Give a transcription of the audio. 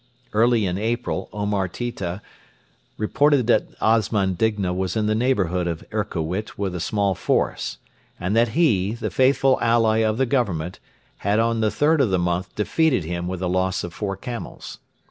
Early in April Omar Tita reported that Osman Digna was in the neighbourhood of Erkowit with a small force, and that he, the faithful ally of the Government, had on the 3rd of the month defeated him with a loss of four camels.